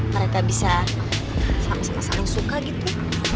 mereka bisa sama sama saling suka gitu